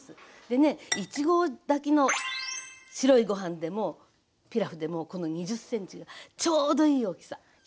でね１合炊きの白いご飯でもピラフでもこの２０ｃｍがちょうどいい大きさ。